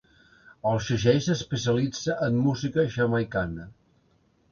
El segell s'especialitza en música jamaicana.